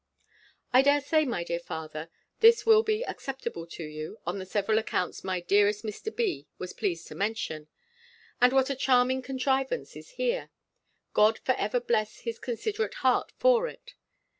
I dare say, my dear father, this will be acceptable to you, on the several accounts my dearest Mr. B. was pleased to mention: and what a charming contrivance is here! God for ever bless his considerate heart for it!